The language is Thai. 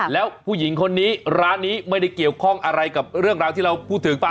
แล้วผู้หญิงคนนี้ร้านนี้ไม่ได้เกี่ยวข้องอะไรกับเรื่องราวที่เราพูดถึงไป